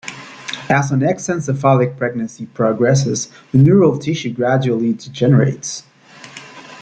As an exencephalic pregnancy progresses, the neural tissue gradually degenerates.